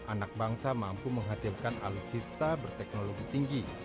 anak bangsa mampu menghasilkan alutsista berteknologi tinggi